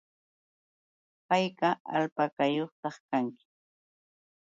¿Hayka alpakayuqta kanki?